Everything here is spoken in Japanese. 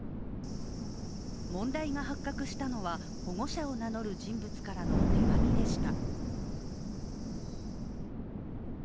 問題が発覚したのは、保護者を名乗る人物からの手紙でした。